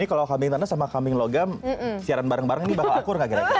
ini kalau kambing tanah sama kambing logam siaran bareng bareng ini bakal akur gak kira kira